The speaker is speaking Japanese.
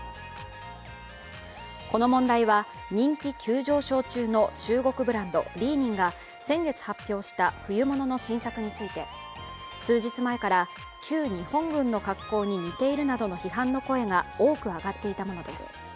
この問題は人気急上昇中の中国ブランド李寧が先月発表した冬物の新作について、数日前から旧日本軍の格好に似ているなどの批判の声が多く上がっていたものです。